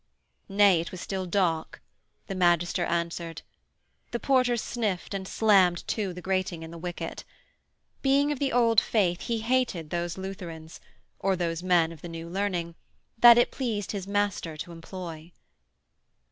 'Nay, it was still dark,' the magister answered. The porter sniffed and slammed to the grating in the wicket. Being of the Old Faith he hated those Lutherans or those men of the New Learning that it pleased his master to employ.